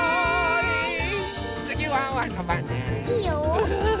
いいよ。